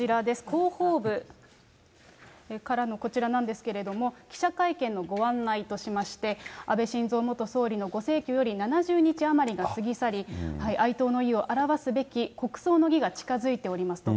広報部からの、こちらなんですけれども、記者会見のご案内としまして、安倍晋三元総理のご逝去より７０日余りが過ぎ去り、哀悼の意を表すべき国葬の儀が近づいておりますと。